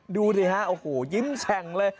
ดูสิฮะโอ้โหยิ้มแฉ่งเลย